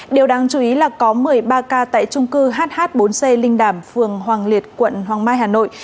điều đáng chú ý là có một mươi ba ca tại trung cư hh bốn c linh đàm phường hoàng liệt quận hoàng mai hà nội